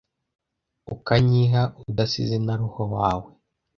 Ukanyiha udasize na Roho wawe